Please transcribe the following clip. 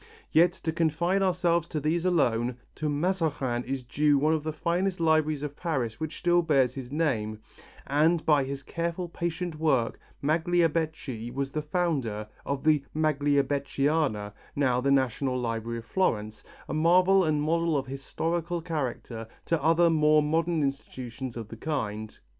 Yet, to confine ourselves to these alone, to Mazarin is due one of the finest libraries of Paris which still bears his name, and by his careful, patient work, Magliabechi was the founder of the Magliabechiana, now the National Library of Florence, a marvel and model of historical character to other more modern institutions of the kind.